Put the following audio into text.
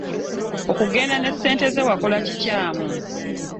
Okugenda ne ssenteze wakola kikyamu.